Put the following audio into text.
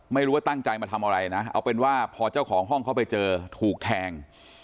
ไม่รู้ว่าตั้งใจมาทำอะไรนะเอาเป็นว่าพอเจ้าของห้องเขาไปเจอถูกแทง